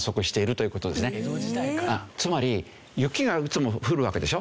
つまり雪がいつも降るわけでしょ。